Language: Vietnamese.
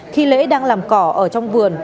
khi lễ đang làm cỏ ở trong vườn